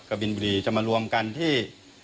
บินบุรีจะมารวมกันที่